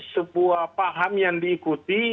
sebuah paham yang diikuti